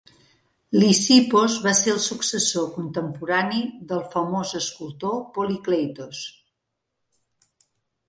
Lysippos va ser el successor contemporani del famós escultor Polykleitos.